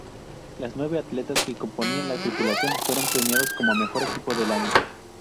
Los nueve atletas que componían la tripulación fueron premiados como Mejor Equipo del Año.